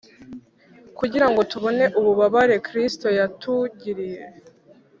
kugirango tubone ububabare kristo yatugiriye